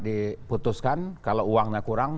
diputuskan kalau uangnya kurang